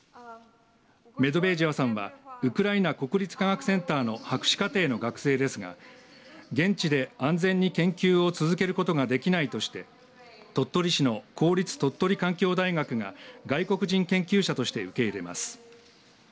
メドベージェワさんはウクライナ国立科学センターの博士課程の学生ですが現地で安全に研究を続けることができないとして鳥取市の公立鳥取環境大学が外国人研究者として受け入れます。